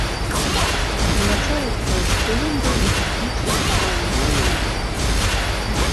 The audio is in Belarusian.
Адзначаецца, што ён быў у тэхнічна спраўным стане.